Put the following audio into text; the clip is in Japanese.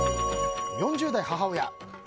４０代母親。